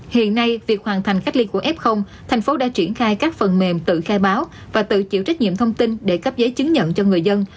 hiện nay việc hoàn thành cách ly của f thành phố đã triển khai các phần mềm tự khai báo và tự chịu trách nhiệm thông tin để cấp giấy chứng nhận cho người dân